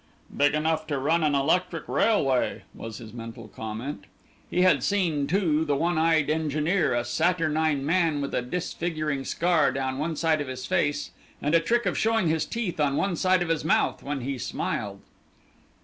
"Big enough to run an electric railway," was his mental comment. He had seen, too, the one eyed engineer, a saturnine man with a disfiguring scar down one side of his face, and a trick of showing his teeth on one side of his mouth when he smiled.